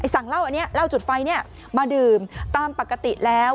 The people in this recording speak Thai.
สั่งเหล้าอันนี้เหล้าจุดไฟมาดื่มตามปกติแล้ว